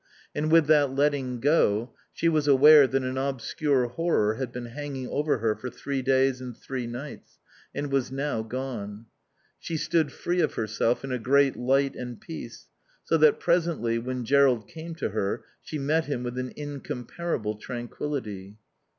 And with that letting go she was aware that an obscure horror had been hanging over her for three days and three nights and was now gone. She stood free of herself, in a great light and peace, so that presently when Jerrold came to her she met him with an incomparable tranquillity.